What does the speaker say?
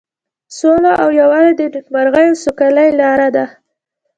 سوله او یووالی د نیکمرغۍ او سوکالۍ لاره ده.